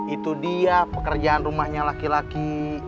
itu dia pekerjaan rumahnya laki laki